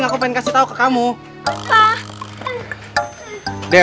namanya juga anak kecil